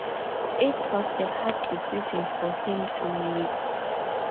It was a hard decision for him to make.